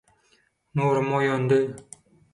Nurum oýandy.